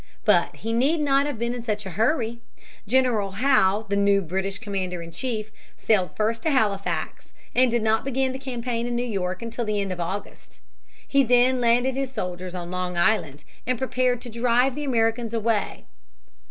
But he need not have been in such a hurry. General Howe, the new British commander in chief, sailed first to Halifax and did not begin the campaign in New York until the end of August. He then landed his soldiers on Long Island and prepared to drive the Americans away.